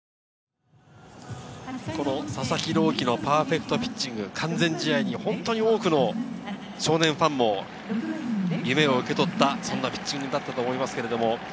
佐々木朗希のパーフェクトピッチング、完全試合に本当に多くの少年ファンも夢を受け取ったピッチングだったと思います。